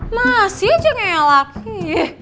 masih aja ngelaki